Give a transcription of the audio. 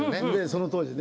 その当時ね。